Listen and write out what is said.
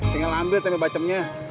tinggal ambil tempe bacemnya